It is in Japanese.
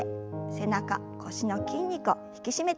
背中腰の筋肉を引き締めていきましょう。